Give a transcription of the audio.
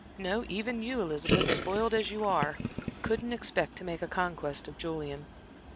No, even you, Elizabeth, spoiled as you are, couldn't expect to make a conquest of Julian."